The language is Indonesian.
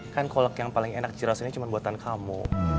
kan kolak yang paling enak di jelasinnya cuma buatan kamu